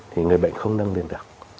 thì người bệnh không nâng lên được